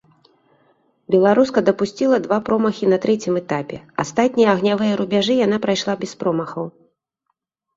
Беларуска дапусціла два промахі на трэцім этапе, астатнія агнявыя рубяжы яна прайшла без промахаў.